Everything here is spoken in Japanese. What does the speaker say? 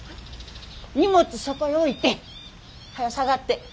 荷物そこへ置いてはよ下がって。